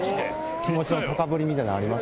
気持ちの高ぶりみたいなのはあります！